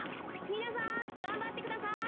みなさんがんばってください。